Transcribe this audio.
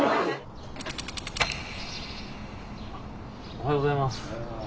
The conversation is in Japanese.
おはようございます。